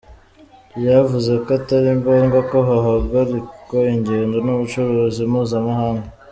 Ryavuze ko atari ngombwa ko hahagarikwa ingendo n’ubucuruzi mpuzamahanga.